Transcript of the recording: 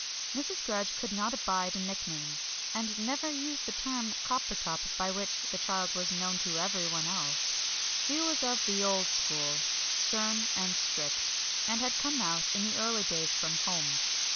Mrs. Grudge could not abide a nickname, and never used the term "Coppertop" by which the child was known to everyone else; she was of the old school, stern and strict, and had come out in the early days from Home.